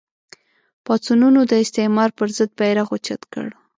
پاڅونونو د استعمار پر ضد بېرغ اوچت کړ